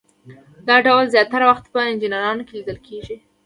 دا ډول زیاتره وخت په انجینرانو کې لیدل کیږي.